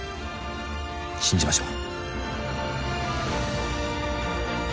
信じましょう